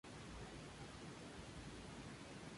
Tras egresar como subteniente se capacitó como piloto.